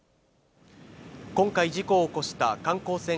今回事故を起こした観光船